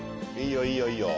いいよいいよ。